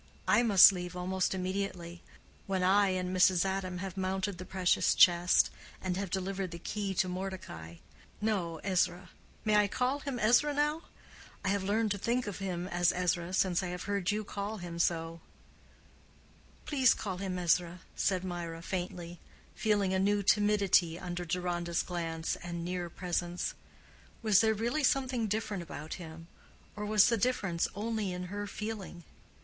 I must leave almost immediately—when I and Mrs. Adam have mounted the precious chest, and I have delivered the key to Mordecai—no, Ezra,—may I call him Ezra now? I have learned to think of him as Ezra since I have heard you call him so." "Please call him Ezra," said Mirah, faintly, feeling a new timidity under Deronda's glance and near presence. Was there really something different about him, or was the difference only in her feeling?